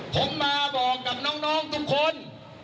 ผมมาบอกกับน้องทุกคน